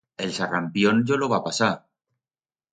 El sarrampión yo lo va pasar.